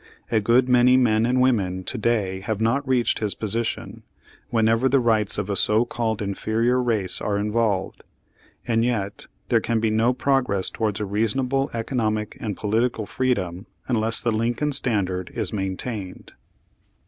A good many men and women to day have not reached his position, whenever the rights of a so called in ferior race are involved. And yet there can be no progress towards a reasonable economic and political freedom unless the Lincoln standard is maintained.